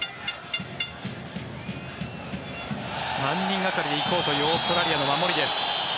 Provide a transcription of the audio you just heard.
３人がかりで行こうというオーストラリアの守りです。